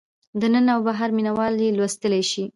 دننه او بهر مینه وال یې لوستلی شي.